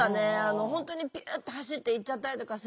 本当にピュッて走っていっちゃったりとかするので。